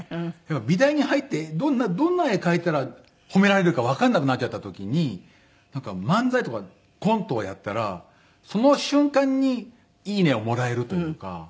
美大に入ってどんな絵描いたら褒められるかわからなくなっちゃった時に漫才とかコントをやったらその瞬間に「いいね」をもらえるというか。